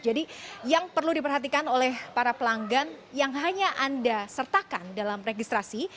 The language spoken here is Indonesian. jadi yang perlu diperhatikan oleh para pelanggan yang hanya anda sertakan dalam registrasi